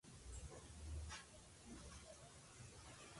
El álbum se publicó únicamente en formato digital.